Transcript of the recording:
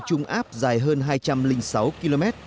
trung áp dài hơn hai trăm linh sáu km